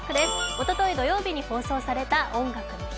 おととい土曜日に放送された「音楽の日」。